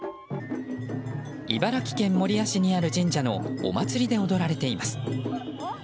茨城県守谷市にある神社のお祭りで踊られています。